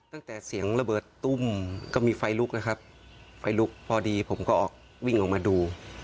ตั้งแต่เสียงระเบิดตุ้มก็มีไฟลุกนะครับไฟลุกพอดีผมก็ออกวิ่งออกมาดู